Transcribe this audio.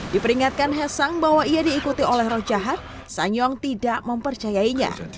di peringatkan haesang bahwa ia diikuti oleh roh jahat sanyong tidak mempercayainya